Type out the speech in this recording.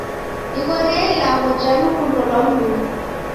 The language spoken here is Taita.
Nighorie ilagho ja lukundo lwa Mlungu.